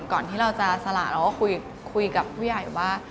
ก่อนที่เราจะสละเราก็คุยกับผู้ใหญ่ว่า